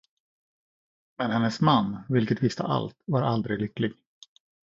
Men hennes man, vilken visste allt, var aldrig lycklig.